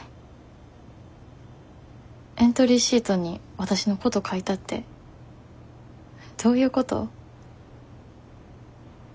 エントリーシートにわたしのこと書いたってどういうこと？